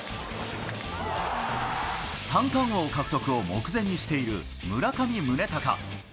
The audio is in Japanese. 三冠王獲得を目前にしている村上宗隆。